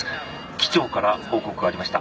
機長から報告がありました。